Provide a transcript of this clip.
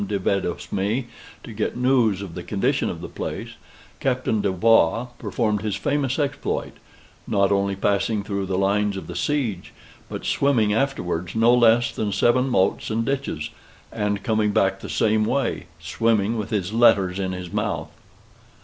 de Vendosme to get news of the condition of the place, Captain Dubois performed his famous exploit: not only passing through the lines of the siege, but swimming afterwards no less than seven moats and ditches: and coming back the same way, swimming with his letters in his mouth.